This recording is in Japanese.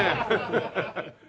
ハハハハ！